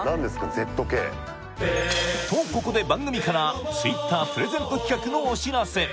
ＺＫとここで番組からＴｗｉｔｔｅｒプレゼント企画のお知らせ